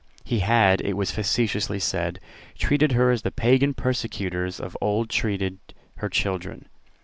He had, it was facetiously said, treated her as the Pagan persecutors of old treated her children.